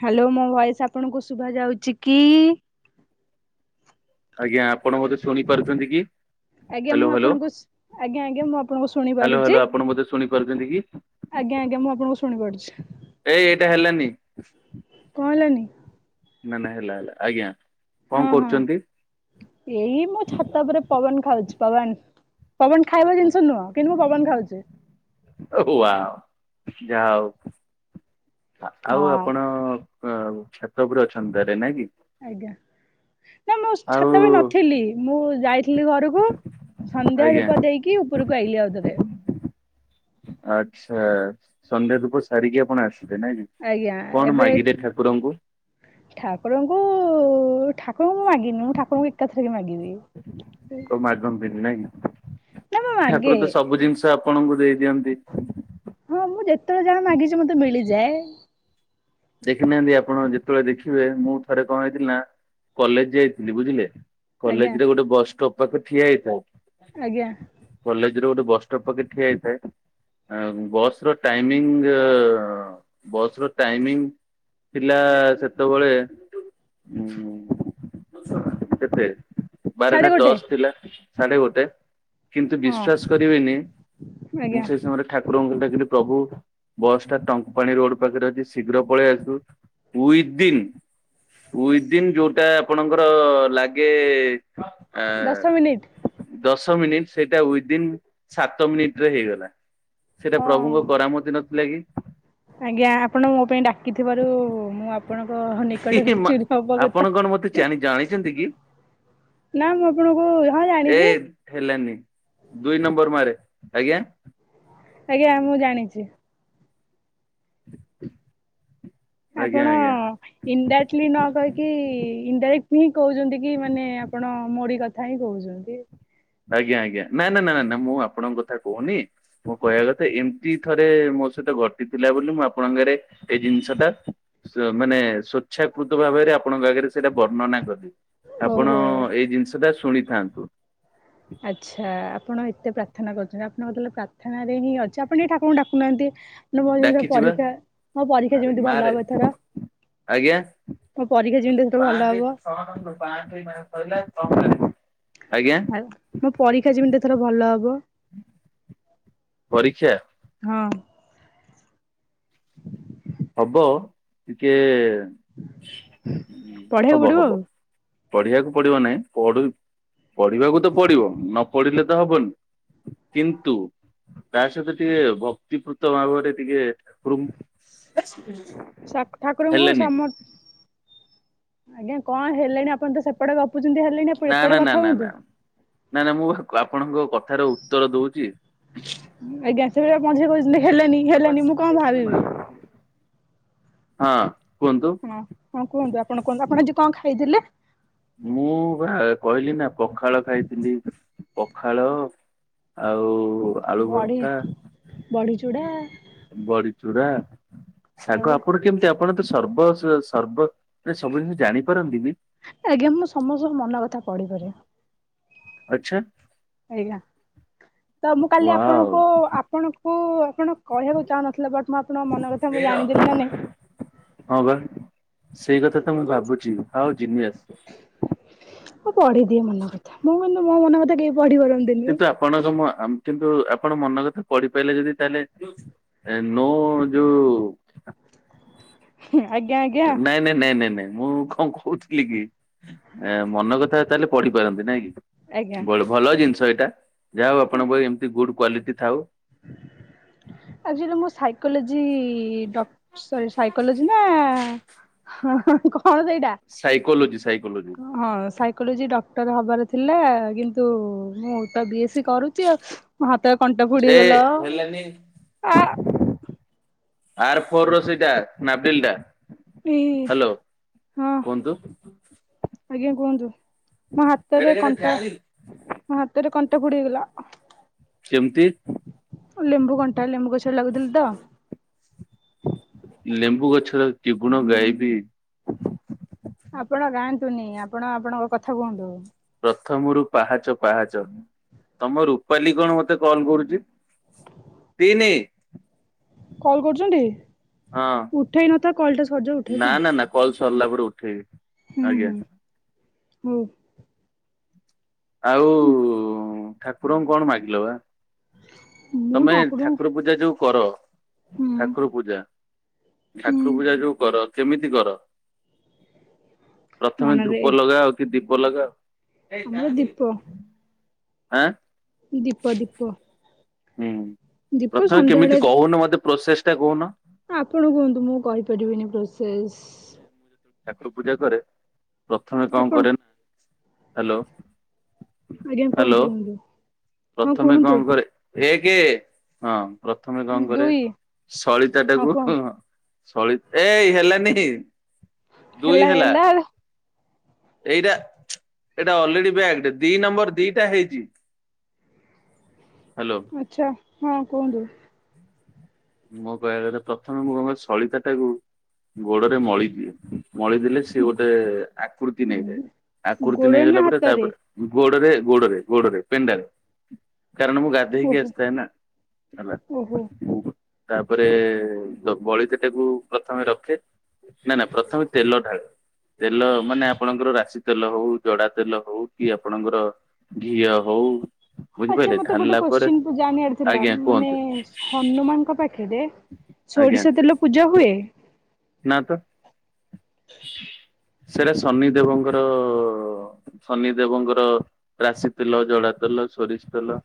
Hello ମୋ voice ଆପଣଙ୍କୁ ଶୁଭା ଯାଉଛି କି? ଆଜ୍ଞା ଆପଣ ମତେ ଶୁଣି ପାରୁଛନ୍ତି କି? ଆଜ୍ଞା ହ୍ୟାଲୋ ମୁଁ ହ୍ୟାଲୋ ଆପଣଙ୍କୁ ଆଜ୍ଞା ଆଜ୍ଞା ମୁଁ ଆପଣଙ୍କୁ ଶୁଣି ପାରୁଛି। ଛନ୍ତି କି। ଆଜ୍ଞା ଆଜ୍ଞା ମୁଁ ଆପଣଙ୍କୁ ଶୁଣିପାରୁଛି। ଏଇ ଏଇଟା ହେଲାନି। କଣ ହେଲାନି? ନାନା ହେଲା ହେଲା ଆଜ୍ଞା। କଣ ହଁ ହଁ କରୁଛନ୍ତି? ଏଇ ମୋ ଛାତ ଉପରେ ପବନ ଖାଉଛି ପବନ ପବନ ଖାଇବା ଜିନିଷ ନୁହଁ କିନ୍ତୁ ମୁଁ ପବନ ଖାଉଛି। ଓହୋ ୱାଓ ଯାହା ହଉ ଆଉ ହଁ ଆପଣ ହ ଆଉ ଛାତ ଉପରେ ଅଛନ୍ତି ତରେ ନାଇଁ କି? ଆଜ୍ଞା ନା ମୁଁ ଆଉ ଛାତ ଉପରେ ନଥିଲି ମୁଁ ଯାଇଥିଲି ଘରକୁ ସନ୍ଧ୍ୟା ଧୂପ ଦେଇକି ଉପରକୁ ଆଇଲି ଆଉଥରେ ଆଛା ସନ୍ଧ୍ୟା ଧୂପ ସାରିକି ଆପଣ ଆସିଲେ ନାଇଁ କି ଆଜ୍ଞା କଣ ଏବେ ମାଗିଲେ ଠାକୁରଙ୍କୁ? ଠାକୁରଙ୍କୁ ଠାକୁରଙ୍କୁ ମାଗିନି ମୁଁ ଠାକୁରଙ୍କୁ ଏକାଥରେକେ ମାଗିବି। ହୁଁ। କଣ ମାଗନ୍ତିନି ନାଇଁ କି ଠାକୁର ତ ମାଗେ ସବୁ ଜିନିଷ ଆପଣଙ୍କୁ ଦେଇ ଦିଅନ୍ତି। ହଁ ମୁଁ ଯେତେବେଳେ ଜାଣ ମାଗିଛି ମତେ ମିଳିଯାଏ। ଦେଖିନାହାନ୍ତି ଆପଣ ଯେତେବେଳେ ଦେଖିବେ ମୁଁ ଥରେ କଣ ହେଇଥିଲା ନା କଲେଜ ଯାଇଥିଲି ବୁଝିଲେ ଆଜ୍ଞା କଲେଜରେ ଗୋଟେ ବସଷ୍ଟପ ପାଖରେ ଠିଆ ହେଇଥାଏ। ଆଜ୍ଞା। କଲେଜ ରୁ ଗୋଟେ ବସଷ୍ଟପ୍ ପାଖରେ ଠିଆ ହେଇଥାଏ। ବସ ର ଟାଇମିଙ୍ଗ ବସ ର ଟାଇମିଙ୍ଗ ଥିଲା ସେତେବେଳେ ହ କେତେ ସାଢେ ବାରଟା ଗୋଟେ ଦଶ ଥିଲା ସାଢେ ଗୋଟେ କିନ୍ତୁ ହଁ ବିଶ୍ଵାସ କରିବେନି ମୁଁ ଆଜ୍ଞା ସେଇ ସମୟରେ ଠାକୁରଙ୍କୁ ଡାକିଲି ପ୍ରଭୁ ବସ୍ ଟା ଟଙ୍କ ପାଣି ରୋଡ ପାଖରେ ଅଛି ଶୀଘ୍ର ପଳେଇ ଆସୁ ଉଇଦିନ୍ ଉଇଦିନ ଯୋଉଟା ଆପଣଙ୍କର ଲାଗେ ଦଶ ମିନିଟ୍ ଦଶ ମିନିଟ୍ ସେଇଟା ଉଇଦିନ୍ ସାତ ମିନିଟ୍ ରେ ହେଇଗଲା। ସେଟା ହଁ ପ୍ରଭୁଙ୍କ କରାମତି ନଥିଲା କି। ଆଜ୍ଞା ଆପଣ ମୋ ପାଇଁ ଡାକିଥିବାରୁ ମୁଁ ଆପଣଙ୍କ ହି ନିକଟରେ ମା ଆପଣ ଚିରଉପକୃତା। କଣ ମତେ ଜାଣି ଜାଣିଛନ୍ତି କି? ନା ମୁଁ ଆପଣଙ୍କୁ ହଁ ଏ ଜାଣିଛି। ହେଲାନି ଦୁଇ ନମ୍ବର ମାରେ ଆଜ୍ଞା। ଆଜ୍ଞା ମୁଁ ଜାଣିଛି। ଆଜ୍ଞା ଆପଣ ଆଜ୍ଞା। ଇନଡାଇରେକ୍ଟଲି ନ କହିକି ଇନଡାଇରେକ୍ଟ ହିଁ କହୁଛନ୍ତି କି ମାନେ ଆପଣ ମୋଡି କଥା ହିଁ କହୁଛନ୍ତି ଆଜ୍ଞା, ଆଜ୍ଞା ନା- ନା- ନା ଯେ ରହ ମୁଁ ଆପଣଙ୍କ କଥା କହୁନି ମୁଁ କହିବା କଥା ଏମିତି ଥରେ ମୋ ସହିତ ଘଟି ଥିଲା ବୋଲି ମୁଁ ଆପଣଙ୍କରେ। ଏ ଜିନିଷ ଟା ମାନେ ସ୍ଵଚ୍ଛାକୃତ ଭାବରେ ଆପଣଙ୍କ ଆଗରେ ସେଇଟା ବର୍ଣ୍ଣନା କରି ଆପଣ ଓହୋ ଏଇ ଜିନିଷ ଟା ଶୁଣିଥାନ୍ତୁ। ଆଚ୍ଛା ଆପଣ ଏତେ ପ୍ରାର୍ଥନା କରୁଛନ୍ତି, ଆପଣଙ୍କ କୋତେଲେ ପ୍ରାର୍ଥନାରେର ହିଁ ଅଛି, ଆପଣ ଟିକେ ଠାକୁରଙ୍କୁ ଡାକୁନାହାନ୍ତି। ନା ମୋ ଯେମିତି ଡାକିଛି ବା। ପରୀକ୍ଷା ମୋ ପରୀକ୍ଷା ମାରେ ଯେମିତି ଭଲ ମାରେ ହବ ଏଥର। ଆଜ୍ଞା ମୋ ପରୀକ୍ଷା ଯେମିତି ସେତୁ ଭଲ ହବ। [unintelligible] ଆଜ୍ଞା। ଆ ମୋ ପରୀକ୍ଷା ଯେମିତି ଏଥର ଭଲ ହବ। ପରୀକ୍ଷା। ହଁ। ହବ ଟିକେ-ଏ-ଏ ପଢେଇବାକୁ ହବ ପଡିବ ହବ। ଆଉ। ପଢିବାକୁ ପଡିବ ନାହିଁ, ପ- ପଢିବାକୁ ତ ପଡିବ ନ ପଢିଲେ ତ ହବନି। କିନ୍ତୁ ତା ସହିତ ଟିକେ ଭକ୍ତିପୃତ ଭାବରେ ଟିକେ ରୁମ୍ ସାକ୍ ଠାକୁରଙ୍କୁ ହେଲେନି। ସମଥ୍ ଆଜ୍ଞା କଣ ହେଲେଣି ଆପଣ ତ ସେପଟେ ଗପୁଛନ୍ତି ହେଲେଣି ଏପ୍ ନା ନା ଏପଟେ ନା କଥା ନା ନା ହୁଅନ୍ତୁ। ନା- ନା ମୁଁ ଆପଣଙ୍କ କଥାର ଉତ୍ତର ଦୋଉଛି। ଆଜ୍ଞା ସେତେ ବେଳୁ ମଝିରେ କହୁଛନ୍ତି ହେଲେନି ହେଲେନି ମୁଁ କଣ ଭାବିବି। ହଁ କୁହନ୍ତୁ। ହଁ -ହଁ କୁହନ୍ତୁ, ଆପଣ କୁହନ୍ତୁ, ଆପଣ ଆଜି କଣ ଖାଇଥିଲେ? ମୁଁ ବା କହିଲି ନା ପଖାଳ ଖାଇଥିଲି, ପଖାଳ। ଆଉ-ଉ-ଉ ବଢି, ବଢ଼ି ଚୁରା। ବଡିଚୁରା, ଶାଗ ଆଉ ଆପଣ କେମିତିପ ଆପଣ ତ ସର୍ବ ସର୍ବ ସବୁ ଜିନିଷ ଜାଣିପାରନ୍ତି ବି। ଆଜ୍ଞା ମୁଁ ସମସ୍ତଙ୍କ ମନ କଥା ପଢିପାରିବି। ଆଚ୍ଛା। ଏଟା ତ ମୁଁ କାଲି ୱାଓ ଆପଣଙ୍କୁ ଆପଣଙ୍କୁ ଆପଣ କହିବାକୁ ଚାହୁଁନଥିଲେ ବଟ୍ ମୁଁ ଆପଣଙ୍କ ମନରେ [inaudible] ହଁ ବା ସେଇ କଥା ତ ମୁଁ ଭାବୁଛି ଆଉ ଜିନିଏସ୍। ମୁଁ ପଢିଦିଏ ମନ କଥା, ମୁଁ କିନ୍ତୁ ମୋ ମନ କଥା କେହି ପଢି ପରନ୍ତ୍ କିନ୍ତୁ ଆପଣଙ୍କମନ୍ କିନ୍ତୁ ଆପଣ ମନ କଥା ପଢିପାରେ ଯଦି ତାହେଲେ ଏ ନୋ ଯୋଉ ଆଜ୍ଞା ଆଜ୍ଞା ନାଇଁ- ନାଇଁ -ନାଇଁ -ନାଇଁ- ନାଇଁ ମୁଁ କଣ କହୁଥିଲି କି। ଏ ମନ କଥା ତାହେଲେ ପଢି଼ ପାରନ୍ତି ନାଇଁ କି? ଆଜ୍ଞା ଭଲ ଜିନିଷ ଏଇଟା। ଯାହାଉ ଆପଣଙ୍କ ପାଇଁ ଏମିତି ଗୁଡ୍ କ୍ଵାଲିଟି ଥାଉ। ଆଚୁଆଲି ମୁଁ ସାଇକୋଲୋଜି ଡ ସରି ସାଇକୋଲୋଜି ନା କଣ ସେଇଟା? ସାଇକୋଲୋଜି ସାଇକୋଲୋଜି ହଁ ସାଇକୋଲୋଜି ଡ ଟର ହବାର ଥିଲା କିନ୍ତୁ, ମୁଁ ତ ବି ଏ ସି କରୁଛି ଆଉ। ମୋ ହାତରେ କଣ୍ଟା ଫୁଡି଼ ଏ ହେଇଗଲା। ହେଲାନି ଆ ଆର ଫୋର୍ ର ସେଇଟା ନାଭିଲ୍ ଟା ଇ ହ୍ୟାଲୋ ହଁ କୁହନ୍ତୁ। ଆଜ୍ଞା କୁହନ୍ତୁ। ମୋ ହାତରେ କଣ୍ଟା ମୋ ହାତରେ କଣ୍ଟା ଫୁଡି଼ିହେଇଗଲା। କେମିତି? ଲେମ୍ବୁ କଣ୍ଟା। ଲେମ୍ବୁ ଗଛରେ ଲାଗୁଥିଲି ତ। ଲେମ୍ବୁ ଗଛର କି ଗୁଣ ଗାଇବି? ଆପଣ ଗାଆନ୍ତୁନି। ଆପଣ ଆପଣଙ୍କ କଥା କୁହନ୍ତୁ। ପ୍ରଥମ ରୁ ପାହାଚ ପାହାଚ। ତମ ରୁପାଲି କଣ ମତେ କଲ କରୁଛି। ତିନି। କଲ୍ କରୁଛନ୍ତି। ହଁ ଉଠେଇ ନଥା କଲଟା ସରିଯାଉ ନା ଉଠେଇବ ଆଉ। ନା ନା କଲ୍ ସରିଲା ପରେ ଉଠେଇବି। ଆଜ୍ଞା ହୁଁ ହୁଁ ହଉ। ଆଉ ଠାକୁରଙ୍କୁ କଣ ମାଗିଲ ବା? ମୁଁ ତମେ ଠାକୁରଙ୍କୁ ଠାକୁର ପୂଜା ଯୋଉ କର ହୁଁ ଠାକୁର ପୂଜା, ହୁଁ ଠାକୁର ପୂଜା ଯୋଉ କର। କେମିତି କର? ପ୍ରଥମେ ମନରେ ଧୂପ ଲଗା ଆଉ କି ଦୀପ ଲଗାଅ? ଆମର ଦୀପ। ହାଁ? ଦୀପ ଦୀପ। ହୁଁ ଦୀପ ପ୍ରଥମେ କେମିତି ସନ୍ଧ୍ୟାବେଳେ କହୁନ ମତେ ପ୍ରୋସେସ ଟା କହୁନ? ଆପଣ କୁହନ୍ତୁ ମୁଁ କହିପାରିବିନି ପ୍ରୋସେସ୍। ଠାକୁ ପୂଜା କରେ ପ୍ରଥମେ କଣ ଆପଣ କରେ ନା? ହ୍ୟାଲୋ। ଆଜ୍ଞା ହ୍ୟାଲୋ କୁହନ୍ତୁ କୁହନ୍ତୁ। ହଁ ପ୍ରଥମେ କୁହନ୍ତୁ କଣ କରେ ଏକେ ହଁ। ପ୍ରଥମେ କଣ କରେ ଦୁଇ ସଳିତା ହଁ ଟାକୁ କୁହନ୍ତୁ ସଳି ଏ ହେଲାନି। ହେଲା ହେଲା। ଏଇଟା ଏଇଟା ଅଲରେଡି ବ୍ୟାଗଡ୍ ଦି ନମ୍ବର ଦିଟା ହେଇଛି। ହ୍ୟାଲୋ। ଆଚ୍ଛା ହଁ କୁହନ୍ତୁ। [inaudible] ମୋ କହିବା କଲେ ପ୍ରଥମେ ମୁଁ କଣ ସଳିତା ଟାକୁ ଗୋଡ଼ରେ ମଳି ଦିଏ। ମଳି ଦେଲେ ସିଏ ଗୋଟେ ଆକୃତି ନେଇଯାଏ। ଆକୃତି ଗୋଡରେ ନା ନେଇଗଲା ପରେ ହାତରେ ତାପରେ ଗୋଡ଼ରେ ଗୋଡ଼ରେ ଗୋଡ଼ରେ ପେଣ୍ଡାରେ କାରଣ ମୁଁ ଗା ଦେଇକି ଓହୋ ଆସ୍ ଥାଏ ନା ହେଲା। ଓହୋ। ତାପରେ ବଳିତାଟାକୁ ପ୍ରଥମେ ରଖେ। ନାଇଁ ନାଇଁ ପ୍ରଥମେ ତେଲ ଢାଳେ। ତେଲ ମାନେ ଆପଣଙ୍କର ରାଶି ତେଲ ହଉ, ଜଡ଼ା ତେଲ ହଉ, କି ଆପଣଙ୍କର ଧିଆ ହଉ। ଆଚ୍ଛା ବୁଝିପାରିଲେ ମତେ ଗୋଟେ ଢାଲିଲା ପରେ କୋଶ୍ଚିନକୁ ଜାଣିଆର ଥିଲା ଆଜ୍ଞା ଉଁ ମାନେ କୁହନ୍ତୁ ଏସ୍ ହନୁମାନଙ୍କ ପାଖେରେ ଆଜ୍ଞା ସୋରିଷ ତେଲ ପୂଜା ହୁଏ। ନା ତ। ସେରା ଶନିଦେବଙ୍କର ଶନିଦେବଙ୍କର ରାଶି ତେଲ ଜଡା ତେଲ ସୋରିଷ ତେଲ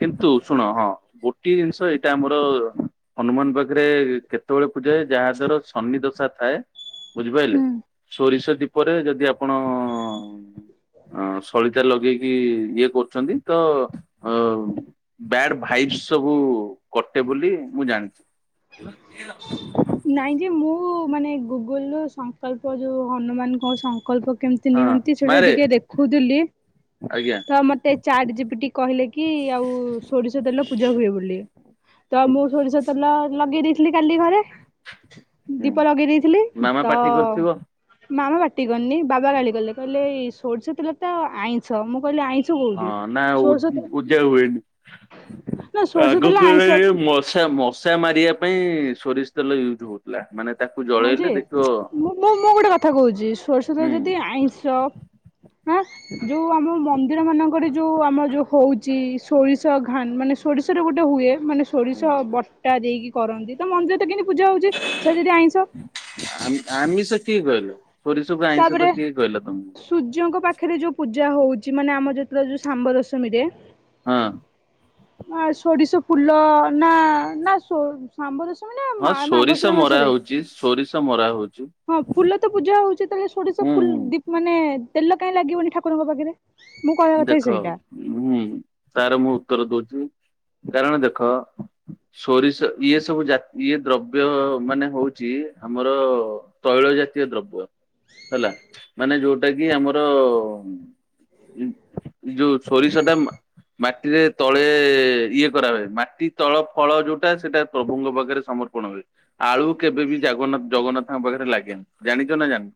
କିନ୍ତୁ ଶୁଣ ହଁ ଗୋଟିଏ ଜିନିଷ ଏଇଟା ଆମର ହନୁମାନ ପାଖେରେ କେତବେଳେ ପୂଜା ହୁଏ ଯାହାଙ୍କର ଶନି ଦଶା ଥାଏ ବୁଝିପାଇଲେ ହୁଁ। ସୋରିଷ ଦୀପରେ ଯଦି ଆପଣ ଉଁ ଆଁ ସଳିତା ଲଗେଇକି ଇଏ କରୁଛନ୍ତି ତ ଅ ଉଁ ବ୍ୟାଡ ଭାଇବ୍ସ ସବୁ କଟେ ବୋଲି ମୁଁ ଜାଣିଛି [inaudible] ନାଇଁ ଯେ ମୁଁ ମାନେ ଗୁଗୁଲଲୁ ସଂକଳ୍ପ ଯୋଉ ହନୁମାନଙ୍କ ସଂକଳ୍ପ କେମ ତି ହଁ ନିଅନ୍ତି ସେଇଟା ମାରେ ଟିକେ ଦେଖୁଥିଲି। ଆଜ୍ଞା ତ ମତେ ଚାଟଜିପିଟି କହିଲେ କି ଆଉ ସୋରିଷ ତେଲ ପୂଜା ହୁଏ ବୋଲି। ତ ମୁଁ ସୋରିଷ ତେଲ ଲଗେଇ ଦେଇଥିଲି କାଲି ଘରେ। ହୁଁ ଦୀପ ଲଗେଇ ଦେଇଥିଲି ମାମା ତ ପାଟି କରୁଥିବ ମାମା ପାଟି କରିନି ବାବା ଗାଳି ଗଲେ କହିଲେ ଏଇ ସୋଡିଷ ତେଲ ତ ଆଇଁଷ ମୁଁ କହିଲି ଆଇଁ ହଁ ନା ଉଦ୍ ଉଦ୍ ଉଜା ହୁଏନି ନା ସୋରିଷ ତେଲ ଆଗୁକୁ ଆଇଁଷ [unintelligible] ମସ୍ ଛା ମଶା ମାରିଆ ପାଇଁ ସୋରିଷ ତେଲ ୟୁଜ୍ ହଉଥିଲା ମାନେ ତାକୁ ହଁ ଜଳେଇଲେ ଯେ ଦେଖିବ ମୁଁ ମୁଁ ମୁଁ ଗୋଟେ କଥା କହୁଚି ସୋରଷ ତେଲ ହୁଁ ଯଦି ଆଇଁଷ ହାଁ ଯୋଉ ଆମ ମନ୍ଦିରମାନଙ୍କରେ ଯୋଉ ଆମ ଯୋଉ ହଉଚି ସୋରିଷ ଘାନ୍ ମାନେ ସୋରିଷରେ ଗୋଟେ ହୁଏ। ମାନେ ସୋରିଷ ହୁଁ ବଟା ଦେଇକି କରନ୍ତି ତ ମନ୍ଦିରରେ ତ କେନ୍ତି ପୂଜା ହଉଚି ସେଟା ଯଦି ଆଇଁଷ। ଆମି ଆମିଷ କିଏ କହିଲା ସୋରିଷକୁ ଆଇଁଷ ତ ତାପରେ କିଏ କହିଲା ତମୁକୁ। ସୂର୍ଯ୍ୟଙ୍କ ପାଖେରେ ଯୋଉ ପୂଜା ହଉଛି ମାନେ ଆମ ଯେତେବେଳେ ଯୋଉ ଶାମ୍ବ ଦଶମୀରେ ହଁ। ନା ଏ ସୋରିଷ ଫୁଲ ନା ନା ସୋ ଶାମ୍ବ ଦଶମୀ ନା ହଁ ମା ସୋରିଷ ମାଗଶିର ମରା ମାସେରେ ହଉଛି ସୋରିଷ ମରା ହଉଛି ହଁ ଫୁଲ ତ ପୂଜା ହଉଛି ତାହେଲେ ଏ ସୋରିଷ ହୁଁ ଫୁଲ୍ ହୁଁ। ଦୀପ୍ ମାନେ ତେଲ କାଇଁ ଲାଗିବନି ଠାକୁରଙ୍କ ପାଖେରେ। ଦେଖ ହୁଁ ତାର ମୁଁ ଉତ୍ତର ଦଉଚି କାରଣ ଦେଖ ସୋରିଷ ଇଏ ସବୁ ଜା ଇଏ ଦ୍ରବ୍ୟ ମାନେ ହଉଚି ଆମର ତୈଳ ଜାତୀୟ ଦ୍ରବ୍ୟ। ହେଲା ମାନେ ଯୋଉଟା କି ଆମର ଉଁ ଇନ୍ତ୍ ଯୋଉ ସୋରିଷଟା ମା ମାଟିରେ ତଳେ ଇଏ କରା ହୁଏନି ମାଟି ତଳ ଫଳ ଯୋଉଟା ସେଟା ପ୍ରଭୁଙ୍କ ପାଖେରେ ସମର୍ ପଣ ହୁଏ ଆଳୁ କେବେ ବିି ଜାଗନ୍ନାଥ ଜଗନ୍ନାଥଙ୍କ ପାଖେରେ ଲାଗେନି ଜାଣିଚ ନା ଜାନ୍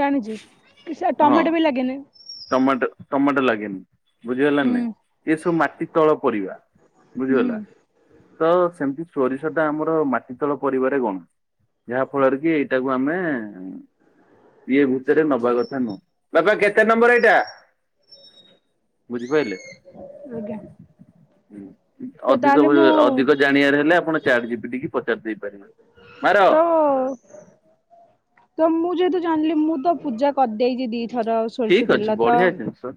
ଜାଣିଛୁ ଉଁ ସେ ଟମାଟୋ ବି ଲାଗେନି। ଟମାଟୋ ଟମାଟୋ ଲାଗେନି। ବୁଝିହେଲା ନା ହୁଁ। ନାଇଁ ଇଏ ସବୁ ମାଟି ତଳ ପରବା ହୁଁ ବୁଝିଗଲା। ତ ସେମିତି ସୋରିଷଟା ଆମର ମାଟିିତଳ ପରିବାରେ ଗଣୁ। ଯାହା ଫଳେରେ କି ଏଇଟାକୁ ଆମେ ଉଁ ଇଏ ଭିତରେ ନବା କଥା ନୁହଁ। ବାପା କେତେ ନମ୍ବର ଏଇଟା? ବୁଝିପାଇଲେ ଆଜ୍ଞା ହୁଁ। ତ ଉଁ ଅଧିକ ତାହେଲେ ମୁଁ [unintelligible] ଅଧିକ ଜାଣିଆର ହେଲେ ଆପଣ ଚାଟଜିପିଟି ଟିକେ ପଚାରି ଦେଇ ପାରିବେ ମାର। ତ ତ ମୁଁ ଯେହେତୁ ଜାଣିଲି ମୁଁ ତ ପୂଜା କରିଦେଇଚି ଦିଥର। ସୋରିଷ ଠିକ୍ ତେଲ ଅଛି ତ ବଢିଆ ଜିନିଷ।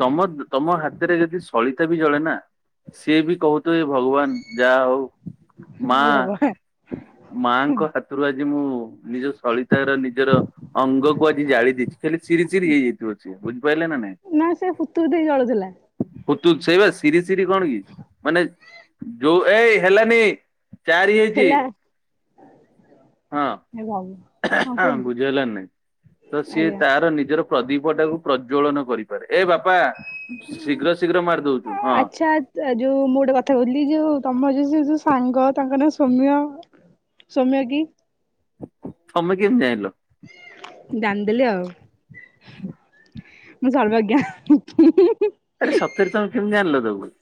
ତମ-ତମ ହାତରେ ଯଦି ସଳିତା ବି ଜଳେ ନା ସିଏ ବି କହୁଥିଏ ଭଗବାନ ଯାହା ହଉ, ଓ ମାଆ ଭଗବାନ ମାଁ ଙ୍କ ହାତରୁ ଆଜି ମୁଁ ନିଜ ସଳିତାର ନିଜର ଅଙ୍ଗ କୁ ଆଜି ଜାଳି ଇଛି ଖାଲିି ଚିରି ଚିରି ହେଇଯାଇଥିବ ଛିଏ ବୁଝିପାଇଲେ ନା ନାଇଁ? ନା ସେ ହୁତୁ ହୁତୁ ହେଇ ଜଳୁଥିଲା। ହୁତ୍ ହୁ ସେଇ ବା ସିରି ସିରି କଣ କି, ମାନେ ଯୋଉ ଏଇ ହେଲାନି। ଚାରି ହେଇଛି ହେଲା। ହଁ, ଏ ଭଗ ହଁ ବୁଝିହେଲାଣ୍ ନାଇଁ ତ ସିଏ ଆଜ୍ଞା। ତାର ନିଜର ପ୍ରଦୀପ ଟାକୁ ପ୍ରଜ୍ୱଳନ କରିପାରେ। ଏ ବାପା ଶୀଘ୍ର ଶୀଘ୍ର ମାରି ଦଉଛୁ, ହଁ। ଆଚ୍ଛା ଯୋଉ ମୁଁ ଗୋଟେ କଥା କହୁଥିଲି ଯଉ ତମ ଯଉ ସେ ଯୋଉ ସାଙ୍ଗ ତାଙ୍କ ନା ସୌମ୍ୟ। ସୌମ୍ୟାଗି। ଥମେ କେମିତି ଜାଇଁଲ? ଜାଣ୍ ଦେଲି ଆଉ। ମୁଁ ସର୍ବଜ୍ଞ। [unintelligible] ଆରେ ସତରେ ତମେ କେମତି ଜାଣଲ ତାକୁ?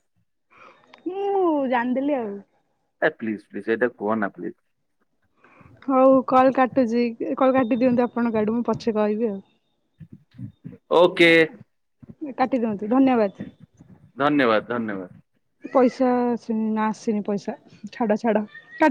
ମୁଁ ଜାଣିଦେଲି ଆଉ। ଏ ପ୍ଲିଜ୍ ପ୍ଲିଜ୍ ଏଟା କୁହନା ପ୍ଲିଜ୍! ହଉ କଲ୍ କାଟୁଚି। କଲ୍ କାଟି ଦିଅନ୍ତୁ ଆପଣଙ୍କ ଆଡୁ। ମୁଁ ପଛେ କହିବି ଆଉ। ଓକେ! କାଟି ଦିଅନ୍ତୁ, ଧନ୍ୟବାଦ। ଧନ୍ୟବାଦ୍ ଧନ୍ୟବାଦ୍। ପଇସା ଆସିନି, ନା ଆସିନି ପଇସା। ଛାଡ ଛାଡ! ତା